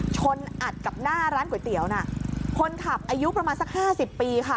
ชนอัดกับหน้าร้านก๋วยเตี๋ยวน่ะคนขับอายุประมาณสักห้าสิบปีค่ะ